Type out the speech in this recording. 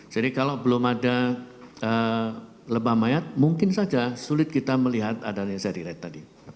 jadi kalau belum ada lebah mayat mungkin saja sulit kita melihat adanya seri red tadi